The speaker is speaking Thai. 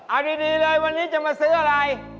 เอาดีเลยวันนี้จะมาซื้ออะไร